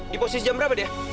di posisi jam berapa dea